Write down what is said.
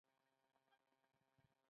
دا منطق د ټولو ملتونو تر منځ مشترک دی.